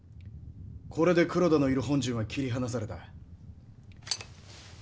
これで黒田のいる本陣は切り離された。